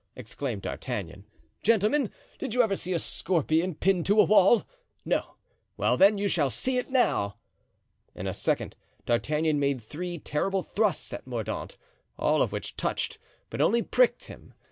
exclaimed D'Artagnan. "Gentlemen, did you ever see a scorpion pinned to a wall? No. Well, then, you shall see it now." In a second D'Artagnan had made three terrible thrusts at Mordaunt, all of which touched, but only pricked him.